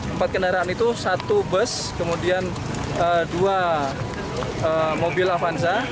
empat kendaraan itu satu bus kemudian dua mobil avanza